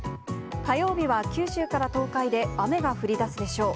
火曜日は九州から東海で雨が降りだすでしょう。